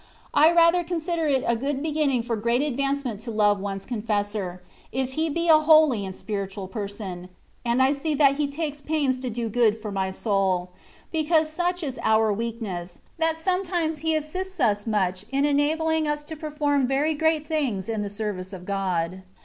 I rather consider it a good beginning for great advancement to love one's confessor, if he 22 THE WAY OF PERFECTION. be a holy and spiritual person^ and I see that he takes pains to do good to my soul ; because such is our weakness^ that sometimes he assists us much in enabling us to perform very great things in the service of God.